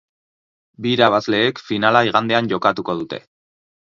Bi irabazleek finala igandean jokatuko dute.